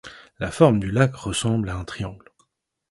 La forme du lac ressemble à un triangle.